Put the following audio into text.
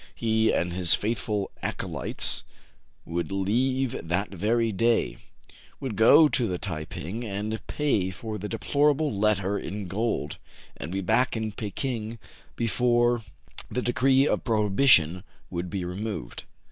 He and his faithful acolytes would leave that very day, would go to the Tai ping, and pay for the deplorable letter in gold, and be back in Pekin before the decree of prohibition would be removed.